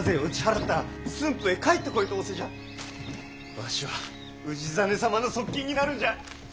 わしは氏真様の側近になるんじゃ。